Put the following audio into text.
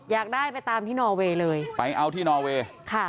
อยากได้ไปตามที่นอเวย์เลยไปเอาที่นอเวย์ค่ะ